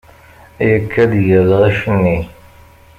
Yekka-d gar lɣaci-nni.